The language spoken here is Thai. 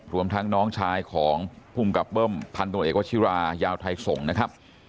รวมทั้งน้องชายของภูมิกับเบิ้มพันตรวจเอกวชิรายาวไทยส่งนะครับ